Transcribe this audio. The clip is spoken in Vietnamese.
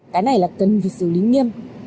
cái này là cần việc xử lý nghiêm